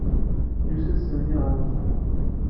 Yusa-d Sami ɣer uxxam-a.